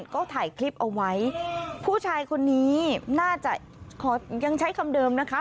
ก็ถ่ายคลิปเอาไว้ผู้ชายคนนี้น่าจะขอยังใช้คำเดิมนะคะ